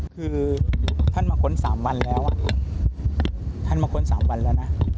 คือท่านมาค้น๓วันแล้วท่านมาค้น๓วันแล้วนะ